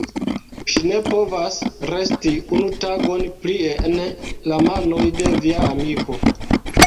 Ŝi ne povas resti unu tagon plie en la manoj de via amiko.